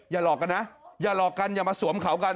หลอกกันนะอย่าหลอกกันอย่ามาสวมเขากัน